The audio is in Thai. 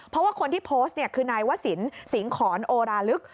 เพราะว่าคนที่โพสต์เนี่ยคือนายวสินสิงหอนโอราลึก